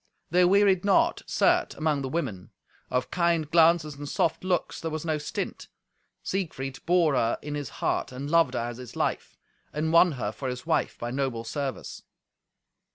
They wearied not, certes, among the women. Of kind glances and soft looks there was no stint. Siegfried bore her in his heart, and loved her as his life, and won her for his wife by noble service.